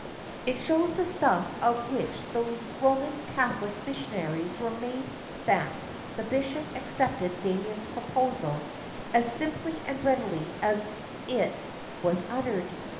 It shows the stuff of which those Roman Catholic missionaries were made that the bishop accepted Damien's proposal as simply and readily as it was uttered.